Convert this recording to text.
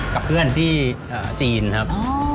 กับเพื่อนที่จีนครับ